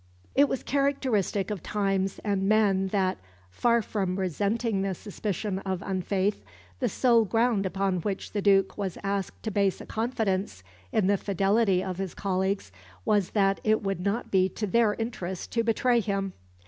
It was characteristic of times and men that, far from resenting the suspicion of unfaith, the sole ground upon which the Duke was asked to base a confidence in the fidelity of his colleagues was that it would not be to their interest to betray him.